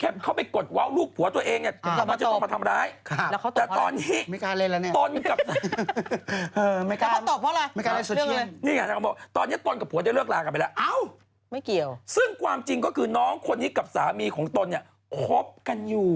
บางคนบอก